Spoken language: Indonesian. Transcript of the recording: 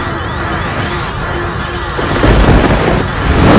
hanya seperti yang mereka katakan